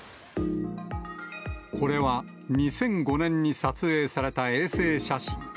これは２００５年に撮影された衛星写真。